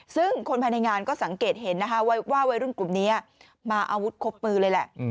ซึ่งคนภายในงานก็สังเกตเห็นนะคะว่าวัยรุ่นกลุ่มนี้มาอาวุธครบมือเลยแหละ